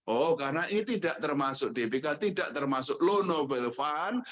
oh karena ini tidak termasuk dpk tidak termasuk low novel fund